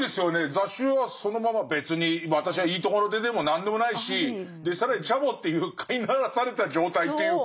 「雜種」はそのまま別に私はいいとこの出でも何でもないし更にチャボっていう飼いならされた状態というか。